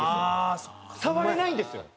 触れないんですよ。